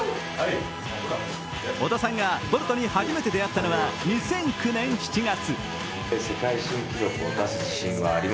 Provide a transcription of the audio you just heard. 織田さんがボルトに初めて出会ったのは２００９年７月。